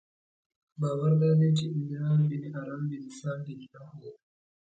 باور دادی چې ایلیا بن ارم بن سام بن نوح و.